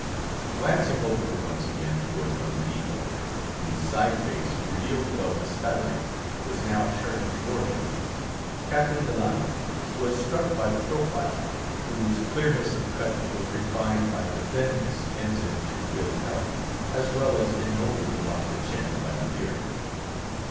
Glancing over once more towards his host—whose side face, revealed above the skylight, was now turned towards him—he was struck by the profile, whose clearness of cut was refined by the thinness, incident to ill health, as well as ennobled about the chin by the beard.